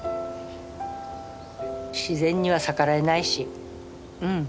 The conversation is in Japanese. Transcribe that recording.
自然には逆らえないしうん。